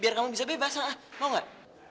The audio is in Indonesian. biar kamu bisa bebas lah mau gak